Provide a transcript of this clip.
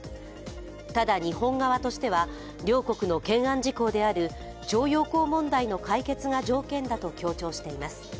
ただ、日本側としては、両国の懸案事項である徴用工問題の解決が条件だと強調しています。